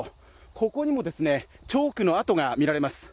ここにもチョークのあとが見られます。